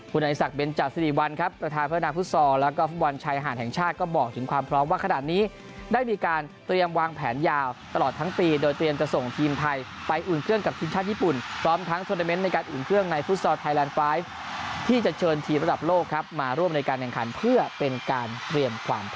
คุณไอศักดิ์เบนจัดสิริวัลครับประธานเพศนาฟุตซอลและฟุตบอลชายอาหารแห่งชาติก็บอกถึงความพร้อมว่าขนาดนี้ได้มีการเตรียมวางแผนยาวตลอดทั้งปีโดยเตรียมจะส่งทีมไทยไปอุ่นเครื่องกับชีวิตชาติญี่ปุ่นพร้อมทั้งโทรนิเมนต์ในการอุ่นเครื่องในฟุตซอลไทยแลนด์๕ที่จะเชิ